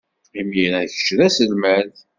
Imir-a, kečč d aselmad.